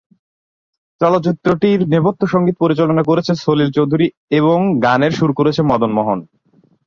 চলচ্চিত্রটির নেপথ্য সঙ্গীত পরিচালনা করেছে সলিল চৌধুরী এবং গানের সুর করেছে মদন মোহন।